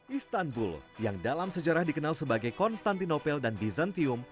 istanbul yang dalam sejarah dikenal sebagai konstantinopel dan bizantium